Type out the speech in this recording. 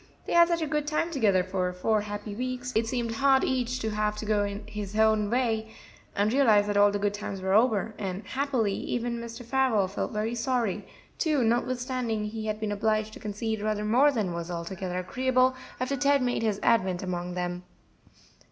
They had had such a good time together for four happy weeks, it seemed hard each to have to go his own way and realize that all the good times were over; and, happily, even Mr. Farwell felt very sorry, too, notwithstanding he had been obliged to concede rather more than was altogether agreeable after Ted made his advent among them.